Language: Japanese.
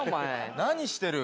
何してる？